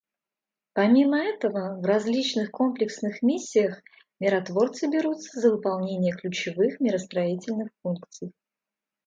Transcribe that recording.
Помимо этого, в различных комплексных миссиях миротворцы берутся за выполнение ключевых миростроительных функций.